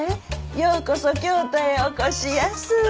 ようこそ京都へお越しやす。